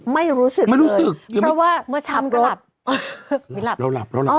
ไม่รู้สึกไม่รู้สึกเพราะว่าเมื่อชำก็หลับหลับหลับหลับ